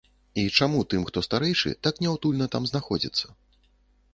І чаму тым, хто старэйшы, так няўтульна там знаходзіцца?